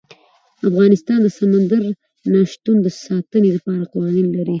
افغانستان د سمندر نه شتون د ساتنې لپاره قوانین لري.